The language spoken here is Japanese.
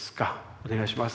お願いします。